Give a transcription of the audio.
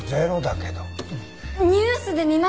ニュースで見ました！